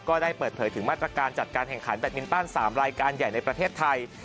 ก็ได้เปิดเผยถึงมาตรการจัดการแข่งขันแบตมินตัน๓รายการใหญ่ในประเทศไทย